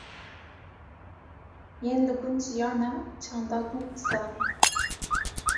yên li gund jiyane çanda gund dizanin